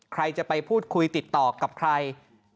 ใครจะไปพูดคุยติดต่อกับใคร